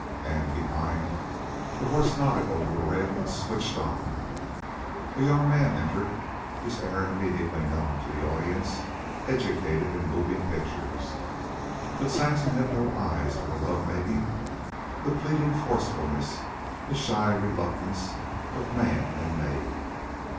And, behind, the horse nodded over the rail and switched on. A young man entered, his errand immediately known to an audience educated in moving pictures. But Saxon had no eyes for the love making, the pleading forcefulness, the shy reluctance, of man and maid.